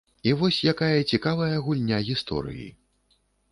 І вось якая цікавая гульня гісторыі.